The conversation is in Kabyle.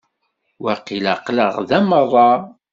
Waqil aql-aɣ da merra.